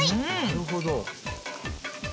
なるほど。